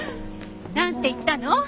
なんて言ったの？